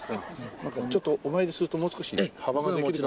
なんかちょっとお参りするともう少し幅ができる？